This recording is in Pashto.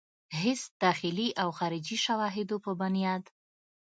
هيڅ داخلي او خارجي شواهدو پۀ بنياد